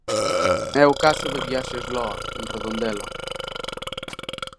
É o caso de Viaxes Loa, en Redondela.